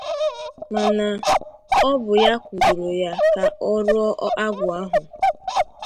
maka na ọ bụ ya kwụdòòrò ya ka ọ rụọ agwụ ahụ.